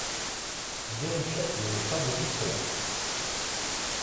Déruchette n’aimait pas beaucoup cela.